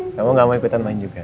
kamu gak mau ikutan main juga